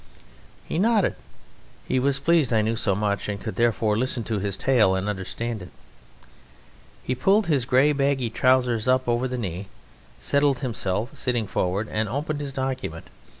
He nodded; he was pleased that I knew so much, and could therefore listen to his tale and understand it. He pulled his grey baggy trousers up over the knee, settled himself, sitting forward, and opened his document.